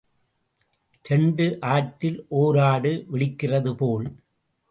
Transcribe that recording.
இரண்டு ஆட்டில் ஓராடு விழிக்கிறது போல்.